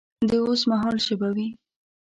د اوس مهال ژبه وي